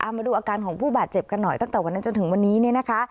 มาดูอาการของผู้บาดเจ็บกันหน่อยตั้งแต่วันนั้นจนถึงวันนี้เนี่ยนะคะ